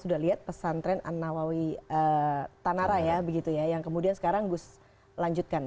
kamu sudah lihat pesantren annawawi tanara ya begitu ya yang kemudian sekarang gus lanjutkan